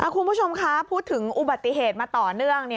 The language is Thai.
คุณผู้ชมคะพูดถึงอุบัติเหตุมาต่อเนื่อง